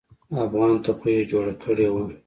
افغان ته خو يې جوړه کړې وه.